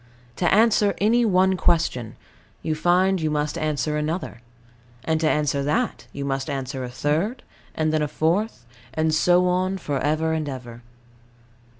To answer any one question, you find you must answer another; and to answer that you must answer a third, and then a fourth; and so on for ever and ever.